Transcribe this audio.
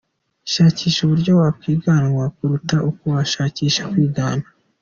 Shakisha uburyo wakwiganwa kuruta uko washakisha kwigana”.